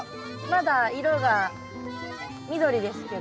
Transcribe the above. まだ色が緑ですけど。